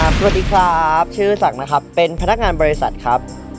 สวัสดีครับชื่อศักดิ์นะครับเป็นพนักงานบริษัทครับ